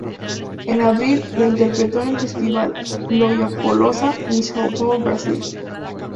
En abril, la interpretó en el festival Lollapalooza en São Paulo, Brasil.